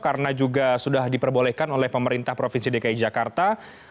karena juga sudah diperbolehkan oleh pemerintah provinsi dki jakarta